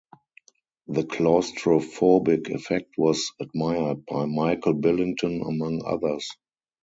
The claustrophic effect was admired by Michael Billington among others.